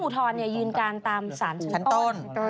อุทธรณ์หรือยืนการตามการศาลสวิทธิ์ฐานต้น